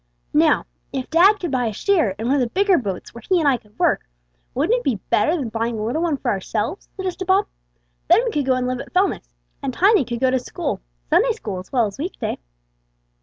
"Now, if dad could buy a share in one of the bigger boats where he and I could work, wouldn't it be better than buying a little one for ourselves?" suggested Bob; "then we could go and live at Fellness, and Tiny could go to school Sunday school as well as week day."